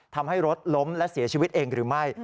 ทำให้รถล้มและเสียชีวิตเองหรือไม่